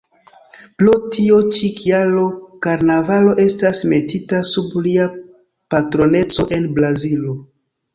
Pro tiu ĉi kialo, karnavalo estas metita sub lia patroneco en Brazilo.